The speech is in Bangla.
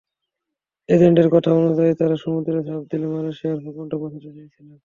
এজেন্টদের কথা অনুযায়ী তারা সমুদ্রে ঝাঁপ দিয়ে মালয়েশিয়ার ভূখণ্ডে পৌঁছাতে চেয়েছিল।